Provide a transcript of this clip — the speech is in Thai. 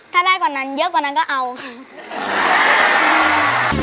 ถ้าได้เยอะกว่านั้นก็เอาค่ะ